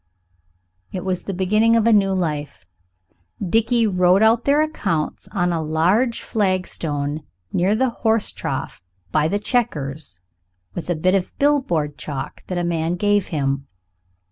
It was the beginning of a new life. Dickie wrote out their accounts on a large flagstone near the horse trough by the "Chequers," with a bit of billiard chalk that a man gave him.